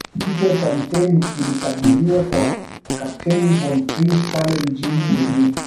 Kichwa cha mtemi kilikabidhiwa kwa Kapteni von Prince pale mjini Iringa